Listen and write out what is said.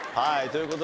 はい。